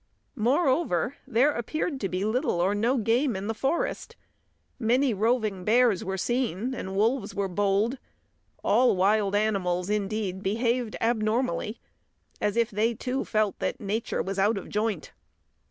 Moreover, there appeared to be little or no game in the forest; many roving bears were seen, and wolves were bold. All wild animals, indeed, behaved abnormally, as if they, too, felt that nature was out of joint.